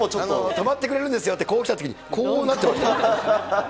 止まってくれるんですよって、こう来たときに、こうなってましたよ。